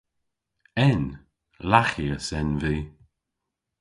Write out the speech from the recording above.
En. Laghyas en vy.